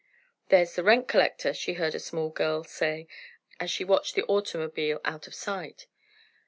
"There's the rent collector," she heard a small girl say, as she watched the automobile out of sight.